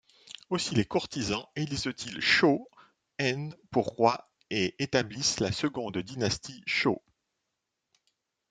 Aussi les courtisans élisent-ils Shō En pour roi et établissent la seconde dynastie Shō.